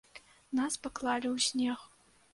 Нас паклалі ў снег.